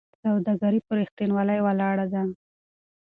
سوداګري په رښتینولۍ ولاړه ده.